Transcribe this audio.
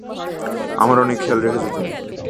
আমার অনেক খেয়াল রেখেছো তুমি।